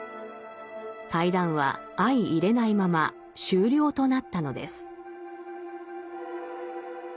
対談は相いれないまま終了となったのです。